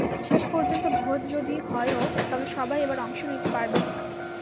শেষ পর্যন্ত ভোজ যদি হয়ও, তবে সবাই এবার অংশ নিতে পারবেন না।